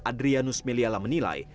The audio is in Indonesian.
adrianus meliala menilai